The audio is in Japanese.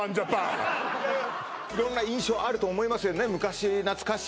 色んな印象あると思いますけどね